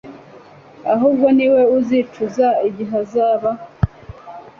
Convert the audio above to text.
ahubwo niwe uzicuza igihe azaba